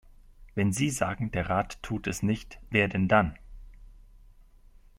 Wenn Sie sagen, der Rat tut es nicht, wer denn dann?